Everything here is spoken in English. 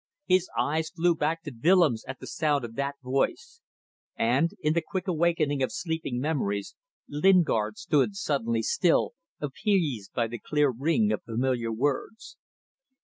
His eyes flew back to Willems at the sound of that voice, and, in the quick awakening of sleeping memories, Lingard stood suddenly still, appeased by the clear ring of familiar words.